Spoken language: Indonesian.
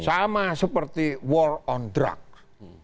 sama seperti war on drug